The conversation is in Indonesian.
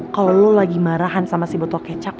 kalau lo lagi marahan sama si botol kecap